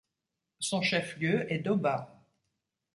Son chef-lieu est Doba.